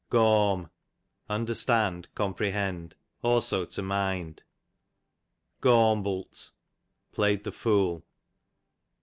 Gawm, understand, comprehend ; also to mind. Gawmblt, jjZai/'ti the fool.